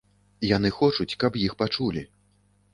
Яны хочуць, каб іх пачулі.